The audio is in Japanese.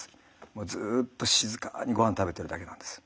ずっと静かにごはん食べてるだけなんです。